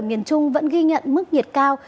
ở miền trung vẫn ghi nhận mức nhiệt cao